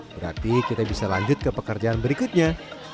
berarti kita bisa lanjut ke pekerjaan berikutnya